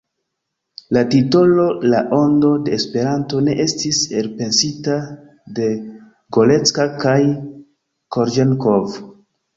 La titolo La Ondo de Esperanto ne estis elpensita de Gorecka kaj Korĵenkov.